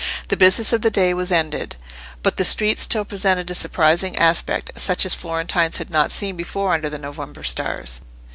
The business of the day was ended. But the streets still presented a surprising aspect, such as Florentines had not seen before under the November stars.